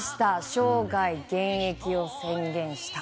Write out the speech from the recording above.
生涯現役を宣言した。